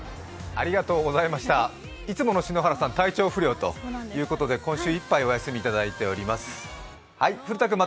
いつもの篠原さん体調不良ということで、今週いっぱい、お休みをいただいています。